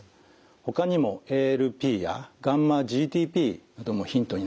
ほかにもＡＬＰやγ−ＧＴＰなどもヒントになります。